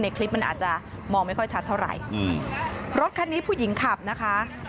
คลิปมันอาจจะมองไม่ค่อยชัดเท่าไหร่อืมรถคันนี้ผู้หญิงขับนะคะ